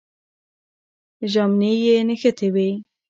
ژامنې یې نښتې وې.